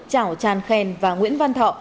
chảo tràn khen và nguyễn văn thọ